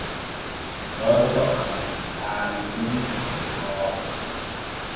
Gorko am laati nun demoowo.